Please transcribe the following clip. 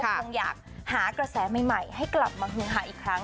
คงอยากหากระแสใหม่ให้กลับมาฮือหาอีกครั้ง